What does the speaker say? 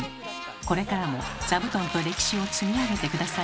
これからも座布団と歴史を積み上げて下さいね。